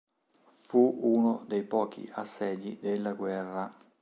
Fu uno dei pochi assedi della guerra.